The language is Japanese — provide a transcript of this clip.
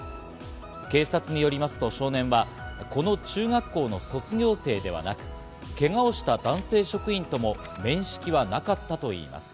警察によりますと少年はこの中学校の卒業生ではなく、けがをした男性職員とも面識はなかったといいます。